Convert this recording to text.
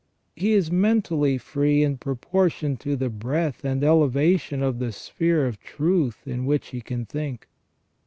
He is mentally free in proportion to the breadth and elevation of the sphere of truth in which he can think.